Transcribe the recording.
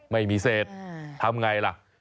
ไม่มีเศษทำไงล่ะ